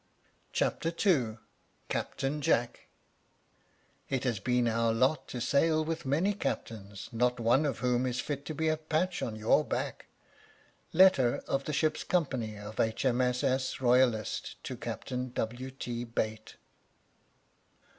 CHAPTER II. CAPTAIN JACK. "It has been our lot to sail with many captains, not one of whom is fit to be a patch on your back." _Letter of the Ship's Company of H. M. S. S. Royalist to Captain W. T. Bate.